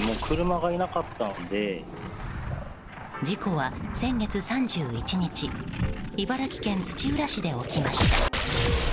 事故は先月３１日茨城県土浦市で起きました。